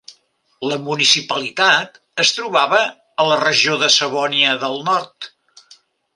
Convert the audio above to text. La municipalitat es trobava a la regió de Savònia del Nord.